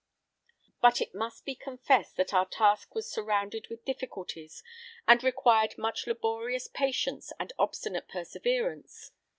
But, it must be confessed that our task was surrounded with difficulties, and required much laborious patience and obstinate perseverance.